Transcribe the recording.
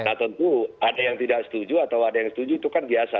nah tentu ada yang tidak setuju atau ada yang setuju itu kan biasa